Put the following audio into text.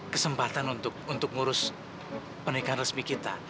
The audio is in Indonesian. kesempatan untuk ngurus pernikahan resmi kita